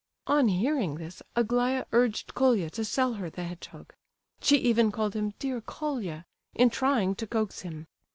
On hearing this, Aglaya urged Colia to sell her the hedgehog; she even called him "dear Colia," in trying to coax him.